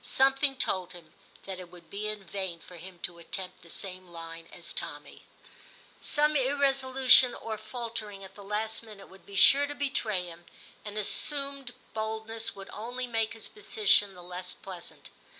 Something told him that it would be in vain for him to attempt the same line as Tommy ; some irresolution or faltering at the last minute would be sure to betray him, and his assumed boldness would only make his position the less pleasant.